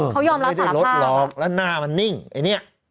เขายอมรับไม่ได้ลดหรอกแล้วหน้ามันนิ่งไอ้เนี่ย